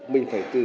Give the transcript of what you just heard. mình phải tự